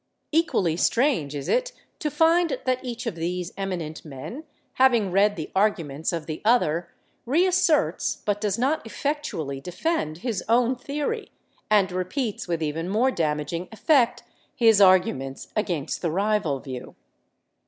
Equally strange is it to find that each of these eminent men, having read the arguments of the other, reasserts, but does not effectually defend, his own theory, and repeats with even more damaging effect his arguments against the rival view.